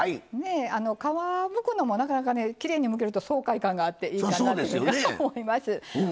皮むくのもなかなかきれいにむけると爽快感があっていいかなと思います。